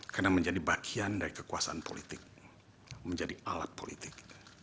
karena menjadi bagian dari kekuasaan politik menjadi alat politik